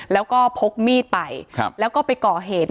แล้วก็พกมีดไปแล้วก็ไปก่อเหตุ